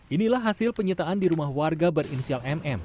inilah hasil penyitaan di rumah warga berinisial mm